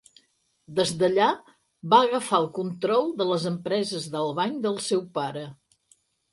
Des d"allà, va agafar el control de las empreses d"Albany del seu pare.